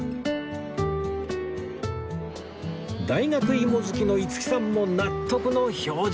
大学芋好きの五木さんも納得の表情